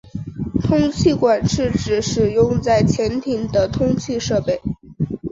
通气管是指使用在潜艇的通气设备。